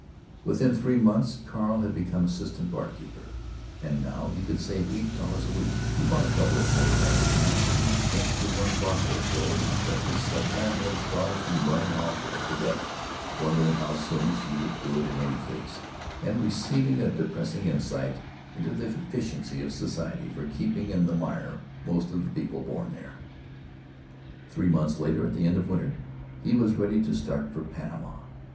Within three months Carl had become assistant bar keeper, and now he could save eight dollars a week. He bought a couple of motor magazines and went to one vaudeville show and kept his sub landlord's daughter from running off with a cadet, wondering how soon she would do it in any case, and receiving a depressing insight into the efficiency of society for keeping in the mire most of the people born there. Three months later, at the end of winter, he was ready to start for Panama.